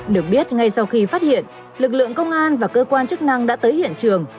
được biết ngay sau khi phát hiện lực lượng công an và cơ quan chức năng đã tới hiện trường